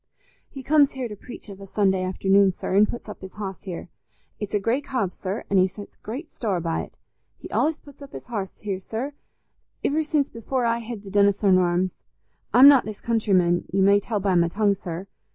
He comes here to preach of a Sunday afternoon, sir, an' puts up his hoss here. It's a grey cob, sir, an' he sets great store by't. He's allays put up his hoss here, sir, iver since before I hed the Donnithorne Arms. I'm not this countryman, you may tell by my tongue, sir.